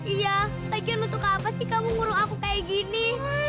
iya lagian lu tukang apa sih kamu ngurung aku kayak gini